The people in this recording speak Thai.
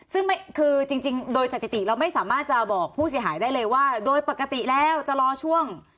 ซึ่งคือจริงโดยสถิติเราไม่สามารถจะบอกผู้เสียหายได้เลยว่าโดยปกติแล้วจะรอช่วง